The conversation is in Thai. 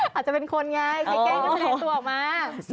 อาจจะเป็นคนไงใครเก้งก็แสดงตัวออกมา